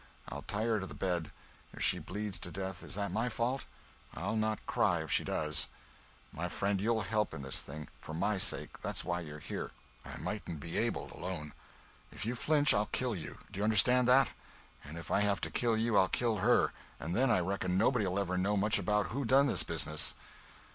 I'll tie her to the bed. If she bleeds to death, is that my fault? I'll not cry, if she does. My friend, you'll help me in this thing—for my sake—that's why you're here—I mightn't be able alone. If you flinch, I'll kill you. Do you understand that? And if I have to kill you, I'll kill her—and then I reckon nobody'll ever know much about who done this business."